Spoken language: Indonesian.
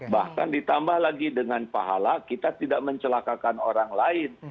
bahkan ditambah lagi dengan pahala kita tidak mencelakakan orang lain